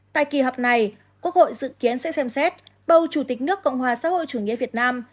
tại kỳ họp này quốc hội dự kiến sẽ xem xét bầu chủ tịch nước cộng hòa xã hội chủ nghĩa việt nam